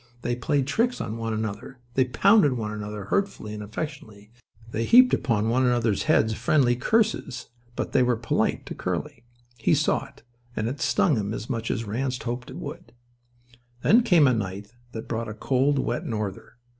They played tricks on one another; they pounded one another hurtfully and affectionately; they heaped upon one another's heads friendly curses and obloquy; but they were polite to Curly. He saw it, and it stung him as much as Ranse hoped it would. Then came a night that brought a cold, wet norther.